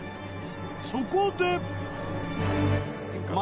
そこで。